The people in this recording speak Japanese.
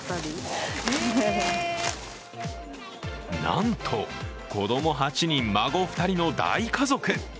なんと子供８人、孫２人の大家族。